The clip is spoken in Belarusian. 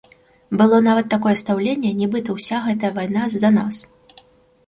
Было нават такое стаўленне, нібыта ўся гэтая вайна з-за нас.